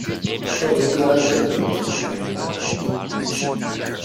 科林蒂安队的主场位于该体育场。